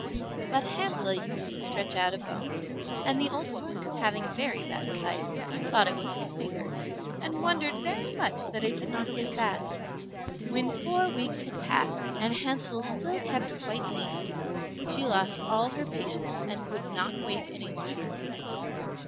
But Hansel used to stretch out a bone, and the old woman, having very bad sight, thought it was his finger, and wondered very much that it did not get fat. When four weeks had passed, and Hansel still kept quite lean, she lost all her patience and would not wait any longer.